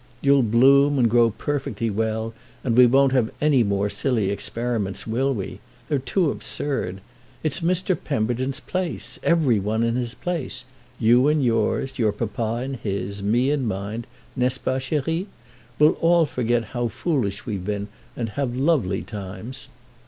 You'll bloom and grow perfectly well, and we won't have any more silly experiments, will we? They're too absurd. It's Mr. Pemberton's place—every one in his place. You in yours, your papa in his, me in mine—n'est ce pas, chéri? We'll all forget how foolish we've been and have lovely times."